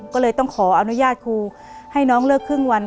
ก็เลยต้องขออนุญาตครูให้น้องเลิกครึ่งวัน